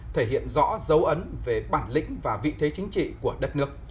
thể hiện rõ dấu ấn về bản lĩnh và vị thế chính trị của đất nước